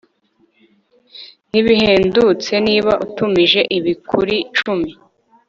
nibihendutse niba utumije ibi kuri cumi